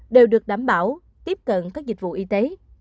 đều được đảm bảo tiếp cận các dịch vụ y tế